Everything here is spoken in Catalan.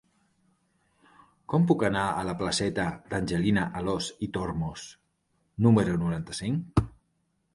Com puc anar a la placeta d'Angelina Alòs i Tormos número noranta-cinc?